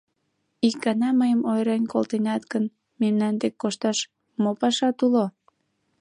— Ик гана мыйым ойырен колтенат гын, мемнан дек кошташ мо пашат уло?